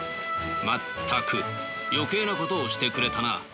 全く余計なことをしてくれたな。